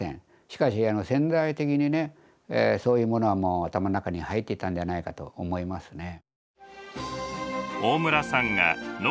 しかし潜在的にねそういうものはもう頭の中に入っていたんじゃないかと思いますね。